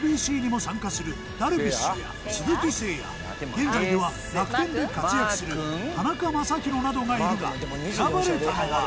現在では楽天で活躍する田中将大などがいるが選ばれたのは。